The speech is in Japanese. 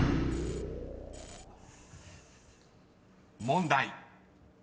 ［問題］